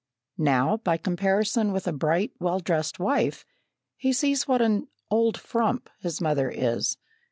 Now, by comparison with a bright, well dressed wife, he sees what an "old frump" his mother is.